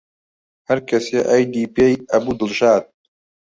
هەرکەسێ ئەیدی پێی ئەبوو دڵشاد